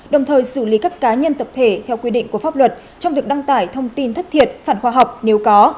đồng thời xử lý các cá nhân tập thể theo quy định của pháp luật trong việc đăng tải thông tin thất thiệt phản khoa học nếu có